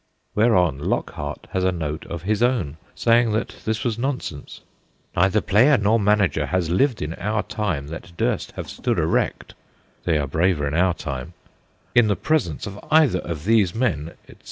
Whereon Lockhart has a note of his own, saying that this was nonsense : 'neither player nor manager has lived in our time that durst have stood erect' they are braver in our time 1 ' in the presence of either of these men/ etc.